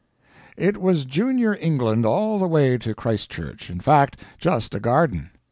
It was Junior England all the way to Christchurch in fact, just a garden.